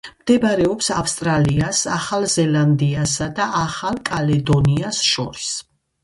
მდებარეობს ავსტრალიას, ახალ ზელანდიასა და ახალ კალედონიას შორის.